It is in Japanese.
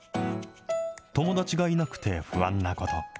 友達がいなくて不安なこと。